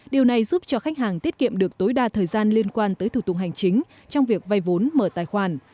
điều này giúp cho khách hàng tiết kiệm được tối đa thời gian liên quan tới thủ tục hành chính trong việc vay vốn mở tài khoản